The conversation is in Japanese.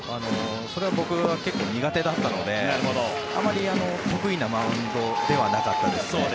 それは僕は結構苦手だったのであまり得意なマウンドではなかったですね。